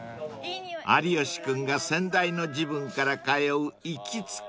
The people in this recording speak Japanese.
［有吉君が先代の時分から通う行きつけ］